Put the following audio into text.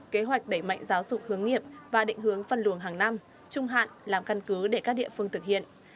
kế hoạch đẩy mạnh giáo dục hướng nghiệp và định hướng phân luồng hàng năm trung hạn làm căn cứ để các địa phương thực hiện